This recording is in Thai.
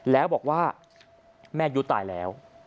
แล้วบอกว่าแม่ยุตายแล้ว